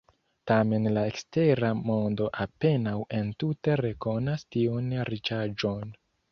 Tamen la ekstera mondo apenaŭ entute rekonas tiun riĉaĵon.